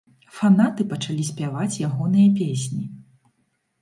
Фанаты пачалі спяваць ягоныя песні.